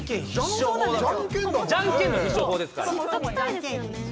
じゃんけんの必勝法ですからね。